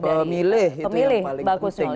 pemilih itu yang paling penting